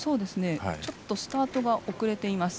ちょっとスタートが遅れています。